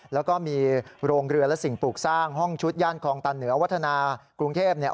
แล้วก็มีโรงเรือและสิ่งปลูกสร้างห้องชุดย่านคลองตันเหนือวัฒนากรุงเทพเนี่ย